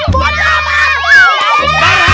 buat apaan kau